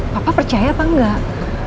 papa percaya apa enggak